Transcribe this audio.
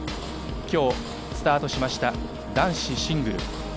今日スタートしました男子シングル。